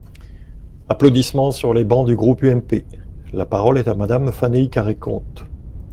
(Applaudissements sur les bancs du groupe UMP.) La parole est à Madame Fanélie Carrey-Conte.